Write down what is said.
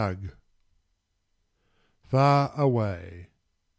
_ FAR AWAY.